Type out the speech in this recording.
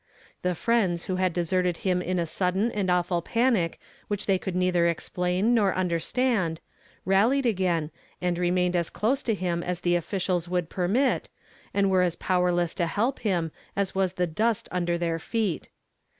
The friends, who had deserted him in a sudden and awful panic which they could neither explain nor understand, rallied again, and remained as close to him as the officials would permit, and were as powerless to help him as was the dust under their feet.